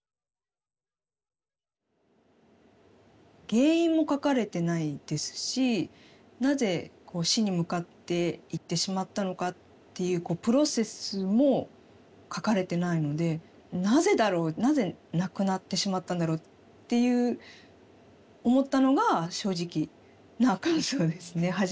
原因も書かれてないですしなぜ死に向かっていってしまったのかっていうプロセスも書かれてないのでなぜだろうなぜ亡くなってしまったんだろうっていう思ったのが正直な感想ですね。